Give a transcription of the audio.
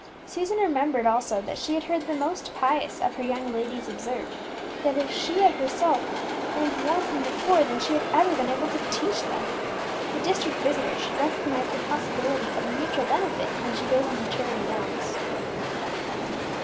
Susan remembered also that she had heard the most pious of her young ladies observe that she had herself learned more from the poor than she had ever been able to teach them. The district visitor should recognize the possibility of mutual benefit when she goes on her charity rounds.